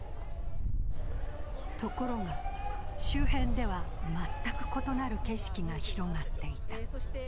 ところが、周辺では全く異なる景色が広がっていた。